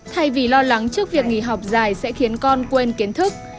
thay vì lo lắng trước việc nghỉ học dài sẽ khiến con quên kiến thức